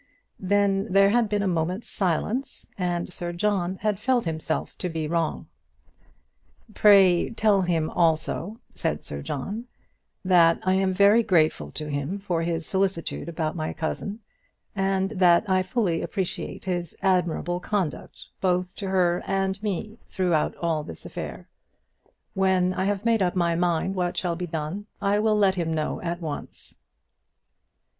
Then there had been a moment's silence, and Sir John had felt himself to be wrong. "Pray tell him also," said Sir John, "that I am very grateful to him for his solicitude about my cousin, and that I fully appreciate his admirable conduct both to her and me throughout all this affair. When I have made up my mind what shall be done, I will let him know at once."